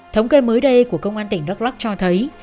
thống kê mới đây của công an tỉnh đắk lắc cho thấy